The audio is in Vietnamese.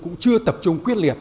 cũng chưa tập trung quyết liệt